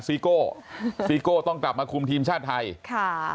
สี่โก่ต้องกลับมาคุมทีมชาติไทย